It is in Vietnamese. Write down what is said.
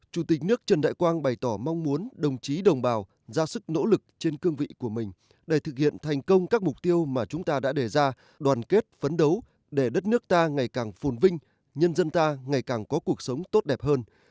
chủ tịch nước trần đại quang bày tỏ mong muốn đồng chí đồng bào ra sức nỗ lực trên cương vị của mình để thực hiện thành công các mục tiêu mà chúng ta đã đề ra đoàn kết phấn đấu để đất nước ta ngày càng phồn vinh nhân dân ta ngày càng có cuộc sống tốt đẹp hơn